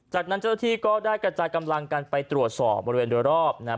จากนั้นเจ้าหน้าที่ก็ได้กระจายกำลังกันไปตรวจสอบบริเวณโดยรอบนะครับ